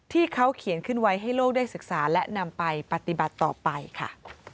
ที่เขาเขียนขึ้นไว้ให้โลกได้ศึกษาและนำไปปฏิบัติต่อไปค่ะ